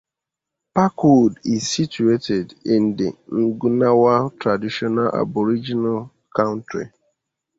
Parkwood is situated in the Ngunnawal traditional Aboriginal country.